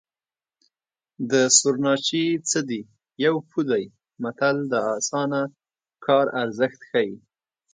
د سورناچي څه دي یو پو دی متل د اسانه کار ارزښت ښيي